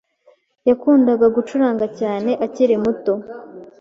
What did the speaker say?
Yakundaga gucuranga cyane, akiri muto